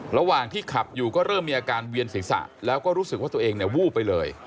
ระหว่างที่ขับอยู่ก็เริ่มมีอาการเวียนศีรษะแล้วก็รู้สึกว่าตัวเองเนี่ยวูบไปเลย